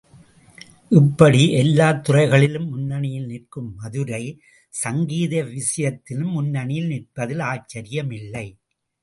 இப்படி எல்லாத் துறைகளிலும் முன்னணியில் நிற்கும் மதுரை, சங்கீத விஷயத்திலும் முன்னணியில் நிற்பதில் ஆச்சரியமில்லை.